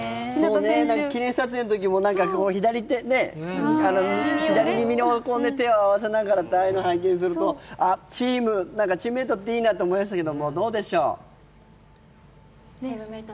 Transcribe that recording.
そうね、記念撮影のときも左耳に手を合わせながらってああいうのを拝見すると、チームメートっていいなと思いましたけど。